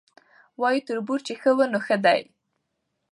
وایي تربور چي ښه وي نو ښه دی